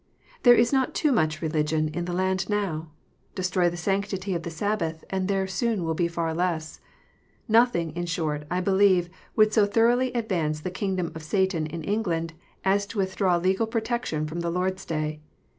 There is not too much religion in the land now. Destroy the sanctity of the Sabbath, and there would spon be far less. Nothing, in short, I believe, would so thoroughly advance the kingdom of Satan in England, as to withdraw legal protection from the Lord s Day.